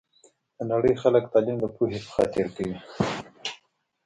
د نړۍ خلګ تعلیم د پوهي په خاطر کوي